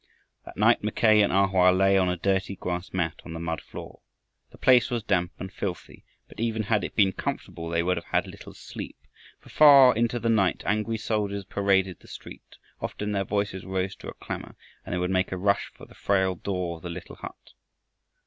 That night Mackay and A Hoa lay on a dirty grass mat on the mud floor. The place was damp and filthy, but even had it been comfortable they would have had little sleep. For, far into the night, angry soldiers paraded the street. Often their voices rose to a clamor and they would make a rush for the frail door of the little hut.